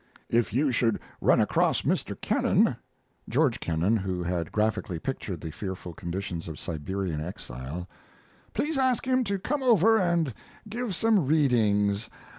If you should run across Mr. Kennan [George Kennan, who had graphically pictured the fearful conditions of Siberian exile.] please ask him to come over and give some readings.